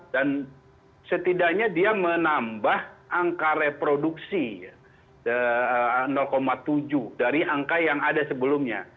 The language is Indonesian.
dan setidaknya dia menambah angka reproduksi tujuh dari angka yang ada sebelumnya